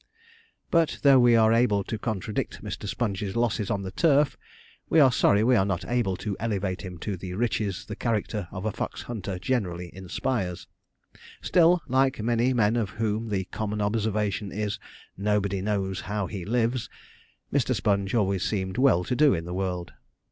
But though we are able to contradict Mr. Sponge's losses on the turf, we are sorry we are not able to elevate him to the riches the character of a fox hunter generally inspires. Still, like many men of whom the common observation is, 'nobody knows how he lives,' Mr. Sponge always seemed well to do in the world.